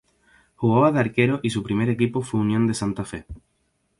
Jugaba de arquero y su primer equipo fue Unión de Santa Fe.